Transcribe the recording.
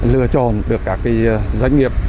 lựa chọn được các doanh nghiệp